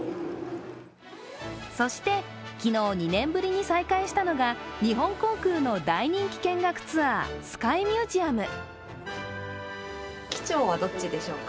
そして昨日、２年ぶりに再開したのが日本航空の大人気見学ツアー、スカイミュージアム。